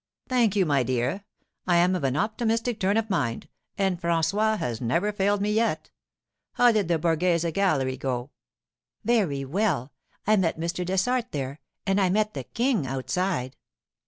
'Thank you, my dear; I am of an optimistic turn of mind, and François has never failed me yet.—How did the Borghese gallery go?' 'Very well. I met Mr. Dessart there—and I met the King outside.